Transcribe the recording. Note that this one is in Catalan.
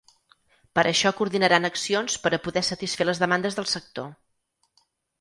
Per això coordinaran accions per a poder satisfer les demandes del sector.